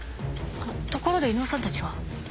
あところで威能さんたちは？